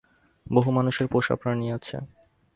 বহু মানুষের পোষা প্রাণী আছে।